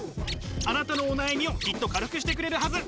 あなたのお悩みをきっと軽くしてくれるはず。